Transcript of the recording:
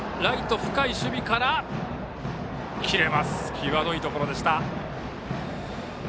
際どいところでした。